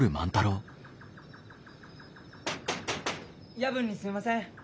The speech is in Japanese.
夜分にすみません。